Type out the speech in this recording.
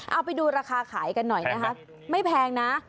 เอาไปดูราคาขายกันหน่อยนะคะไม่แพงนะ